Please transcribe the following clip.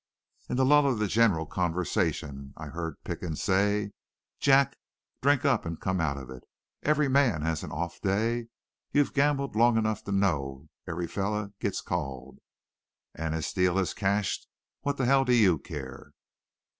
"In the lull of the general conversation I heard Pickens say: 'Jack, drink up an' come out of it. Every man has an off day. You've gambled long enough to know every feller gits called. An' as Steele has cashed, what the hell do you care?